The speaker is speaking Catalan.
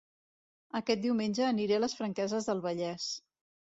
Aquest diumenge aniré a Les Franqueses del Vallès